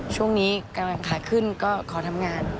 ช่วงนี้กำลังขาขึ้นก็ขอทำงาน